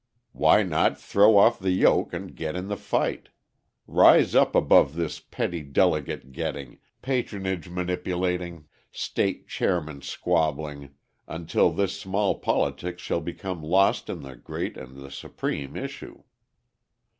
Why not throw off the yoke and get in the fight? Rise up above this petty delegate getting, patronage manipulating, state chairman squabbling, until this small politics shall become lost in the great and the supreme issue.